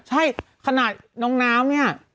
ใช่ขนาดน้องน้ำเนี่ย